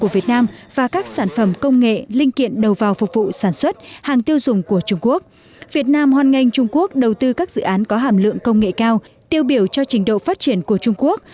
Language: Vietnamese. việt nam hoan nghênh trung quốc đầu tư các dự án có hàm lượng công nghệ cao tiêu biểu cho trình độ phát triển của trung quốc